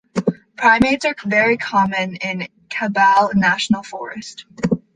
Primates are very common in Kibale National Forest.